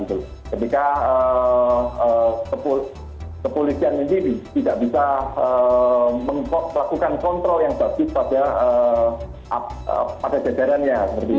ketika kepolisian ini tidak bisa melakukan kontrol yang basis pada jadarannya